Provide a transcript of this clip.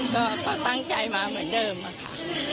ก็ตั้งใจมาเหมือนเดิมค่ะ